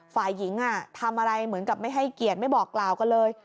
ฝ่ายหญิงทำอะไรเหมือนกับไม่ให้เกียรติไม่บอกกล่าวกันเลย